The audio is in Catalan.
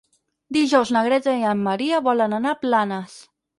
Dijous na Greta i en Maria volen anar a Planes.